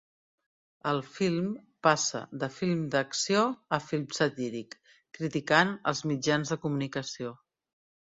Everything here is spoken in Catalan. El film passa de film d'acció a film satíric, criticant els mitjans de comunicació.